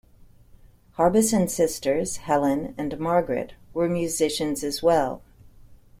Harbison's sisters Helen and Margaret were musicians as well.